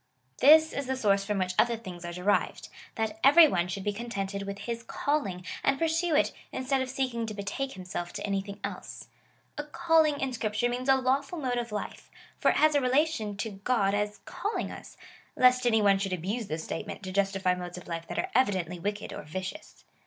This is the source from which other things are derived, — that every one should be contented with his calling, and pursue it, instead of seek ing to betake himself to anything else. A calling in Scrip ture means a lawful mode of life, for it has a relation to God as calling us,^ — lest any one should abuse this state ment^ to justify modes of life that are evidently wicked or vicious.